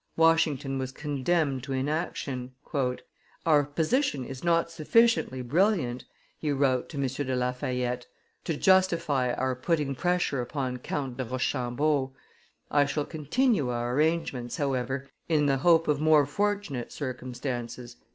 Washington was condemned to inaction. "Our position is not sufficiently brilliant," he wrote to M. de La Fayette, "to justify our putting pressure upon Count de Rochambeau; I shall continue our arrangements, however, in the hope of more fortunate circumstances."